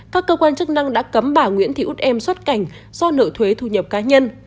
các cơ quan chức năng đã cấm bà nguyễn thị út em xuất cảnh do nợ thuế thu nhập cá nhân